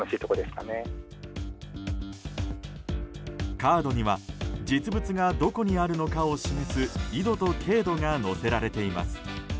カードには実物がどこにあるのかを示す緯度と経度が載せられています。